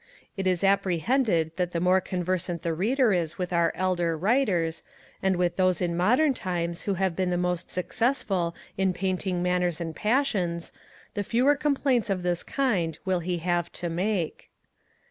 It is apprehended that the more conversant the reader is with our elder writers, and with those in modern times who have been the most successful in painting manners and passions, the fewer complaints of this kind will he have to make.